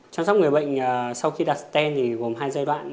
chăm sóc người bệnh sau khi đặt stent thì gồm hai giai đoạn